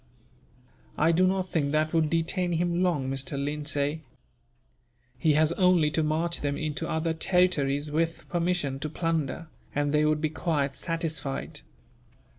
"I do not think that would detain him long, Mr. Lindsay. He has only to march them into other territories, with permission to plunder, and they would be quite satisfied.